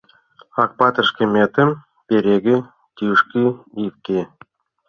Акпатыр, шкӹметым перегы, тӹшкы ит ке.